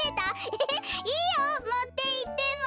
エヘヘいいよもっていっても。